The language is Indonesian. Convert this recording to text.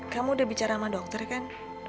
kamu udah bicara sama dokter kan